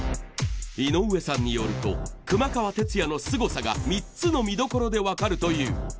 井上さんによると熊川哲也のすごさが３つの見どころでわかるという。